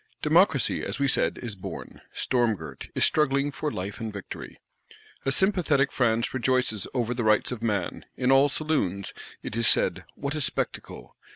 Democracy, as we said, is born; storm girt, is struggling for life and victory. A sympathetic France rejoices over the Rights of Man; in all saloons, it is said, What a spectacle!